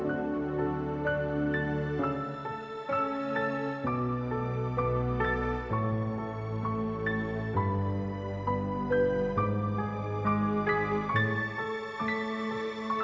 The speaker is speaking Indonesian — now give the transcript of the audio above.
ini buat lo